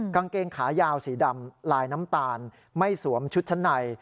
กางเกงขายาวสีดำลายน้ำตาลไม่สวมชุดชั้นใน